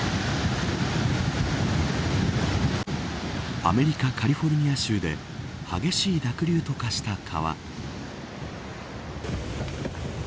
アメリカ、カリフォルニア州で激しい濁流となった川。